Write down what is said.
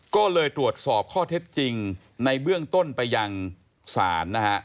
ก็เลยตรวจสอบข้อเท็จจริงในเบื้องต้นไปยังศาลนะฮะ